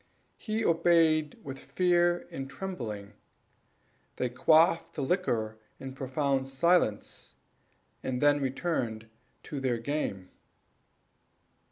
He obeyed with fear and trembling; they quaffed the liquor in profound silence, and then returned to their game.